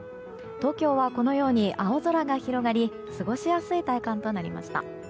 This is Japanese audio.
東京は、このように青空が広がり過ごしやすい体感となりました。